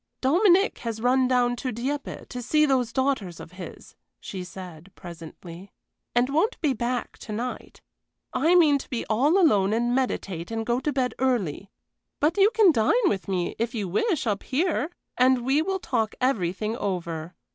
"Dominic has run down to Dieppe to see those daughters of his," she said, presently, "and won't be back to night. I meant to be all alone and meditate and go to bed early; but you can dine with me, if you wish, up here, and we will talk everything over.